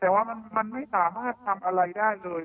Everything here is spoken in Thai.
แต่ว่ามันไม่สามารถทำอะไรได้เลย